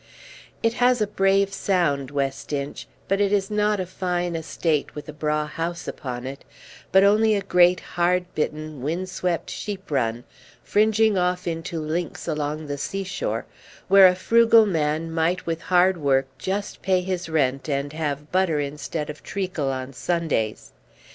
It has a brave sound, West Inch, but it is not a fine estate with a braw house upon it, but only a great hard bitten, wind swept sheep run, fringing off into links along the sea shore, where a frugal man might with hard work just pay his rent and have butter instead of treacle on Sundays.